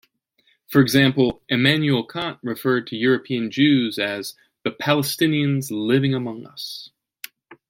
For example, Immanuel Kant referred to European Jews as "the Palestinians living among us".